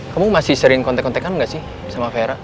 kamu masih sering kontek kontekan nggak sih sama vera